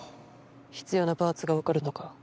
必要なパーツがわかるのか？